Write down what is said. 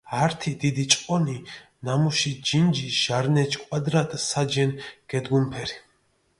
ართი დიდი ჭყონი, ნამუში ჯინჯი ჟარნეჩი კვადრატ საჯენ გედგუნფერი.